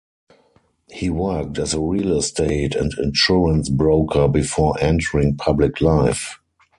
He worked as a real estate and insurance broker before entering public life.